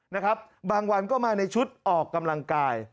นะครับบางวันก็มาในชุดออกกำลังกาย